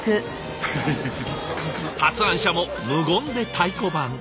発案者も無言で太鼓判！